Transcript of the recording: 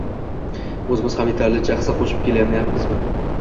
– o‘zimiz ham yetarlicha hissa qo‘shib kelmayapmizmi?